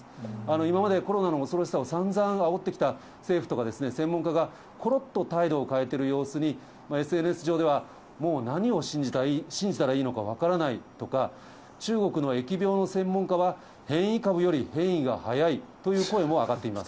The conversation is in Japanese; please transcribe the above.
今までコロナの恐ろしさをさんざんあおってきた政府とかですね、専門家が、ころっと態度を変えている様子に、ＳＮＳ上では、もう何を信じたらいいのか分からないとか、中国の疫病の専門家は、変異株より変異が速いという声も上がっています。